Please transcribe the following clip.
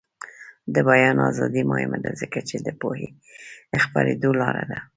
د بیان ازادي مهمه ده ځکه چې د پوهې خپریدو لاره ده.